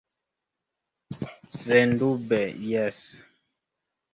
Sendube, jes.